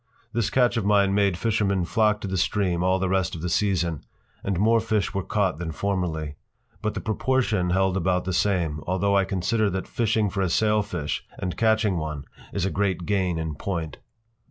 This catch of mine made fishermen flock to the Stream all the rest of the season, and more fish were caught than formerly. But the proportion held about the same, although I consider that fishing for a sailfish and catching one is a great gain in point.